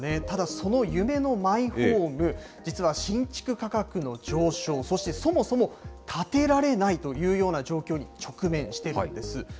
ただ、その夢のマイホーム、実は新築価格の上昇、そしてそもそも建てられないというような状況に直面してるんです。